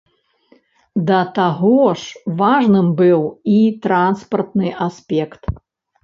Да таго ж важным быў і транспартны аспект.